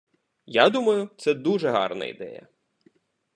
Я думаю, це дуже гарна ідея.